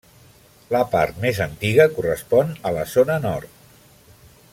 La part més antiga correspon a la zona nord.